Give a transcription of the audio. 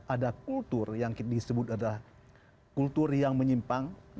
ada kultur yang disebut adalah kultur yang menyimpang